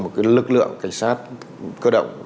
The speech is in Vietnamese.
một lực lượng cảnh sát cơ động